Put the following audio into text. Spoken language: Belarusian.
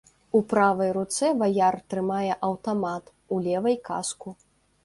У правай руцэ ваяр трымае аўтамат, у левай каску.